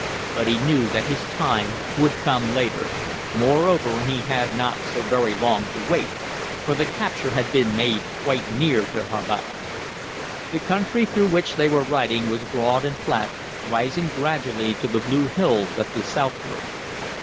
But he knew that his time would come later; moreover he had not so very long to wait, for the capture had been made quite near to Havana. The country through which they were riding was broad and flat, rising gradually to the blue hills at the southward.